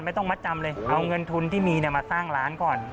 ไม่ต้องมัดจำเลยเอาเงินทุนที่มีมาสร้างร้านก่อน